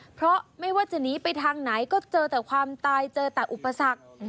เพราะไม่ว่าจะหนีไปทางไหนก็เจอแต่ความตายเจอแต่อุปสรรค